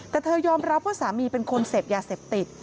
แต่เธอยอมรับว่าสามีเป็นคนเสพยาเสพติด